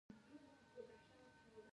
دریابونه د افغان ځوانانو لپاره دلچسپي لري.